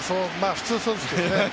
普通はそうですけどね。